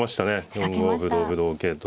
４五歩同歩同桂と。